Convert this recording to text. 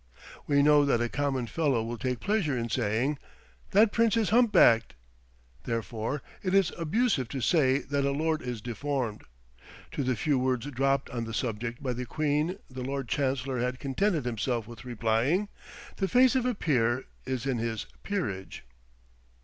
We know that a common fellow will take pleasure in saying, "That prince is humpbacked;" therefore, it is abusive to say that a lord is deformed. To the few words dropped on the subject by the queen the Lord Chancellor had contented himself with replying, "The face of a peer is in his peerage!"